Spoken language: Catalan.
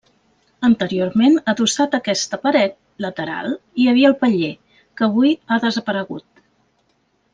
Anteriorment, adossat a aquesta paret lateral hi havia el paller, que avui ha desaparegut.